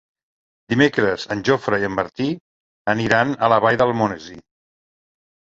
Dimecres en Jofre i en Martí aniran a la Vall d'Almonesir.